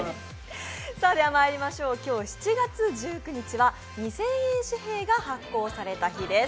今日７月１９日は二千円紙幣が発酵された日です。